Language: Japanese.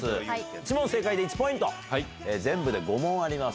１問正解で１ポイント、全部で５問あります。